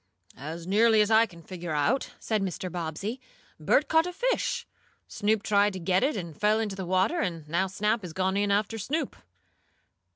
"As nearly as I can figure out," said Mr. Bobbsey, "Bert caught a fish, Snoop tried to get it and fell into the water, and now Snap has gone in after Snoop."